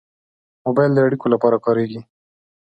موبایل د اړیکو لپاره کارېږي.